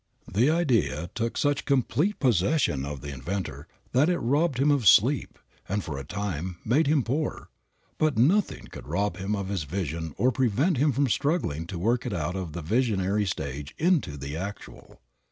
The idea took such complete possession of the inventor that it robbed him of sleep and, for a time, made him poor. But nothing could rob him of his vision or prevent him from struggling to work it out of the visionary stage into the actual.